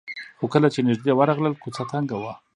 خو کله چې نژدې ورغلل کوڅه تنګه وه.